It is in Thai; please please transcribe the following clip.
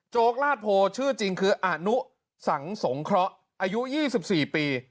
โจ๊กลาดโพชื่อจริงคืออาหนุสังสงเคราะห์อายุยี่สิบสี่ปี